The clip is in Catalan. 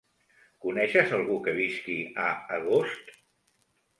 Coneixes algú que visqui a Agost?